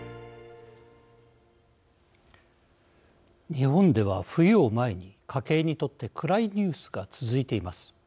日本では冬を前に家計にとって暗いニュースが続いています。